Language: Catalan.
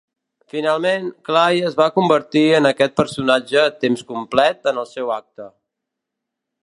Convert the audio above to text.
Finalment, Clay es va convertir en aquest personatge a temps complet en el seu acte.